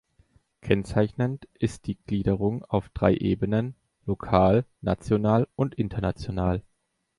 Kennzeichnend ist die Gliederung auf drei Ebenen: lokal, national und international.